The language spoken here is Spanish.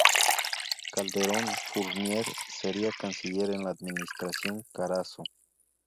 Calderón Fournier sería canciller en la administración Carazo.